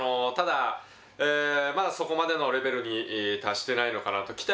ただ、まだそこまでのレベルに達してないのかなと。